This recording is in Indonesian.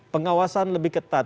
pengawasan lebih ketat